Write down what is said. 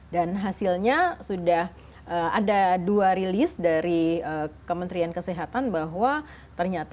dan hasilnya sudah ada dua rilis dari kementerian kesehatan bahwa terlihat